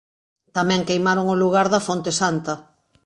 Tamén queimaron o lugar da Fonte Santa.